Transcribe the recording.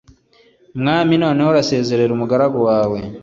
mwami noneho urasezerere umugaragu wawe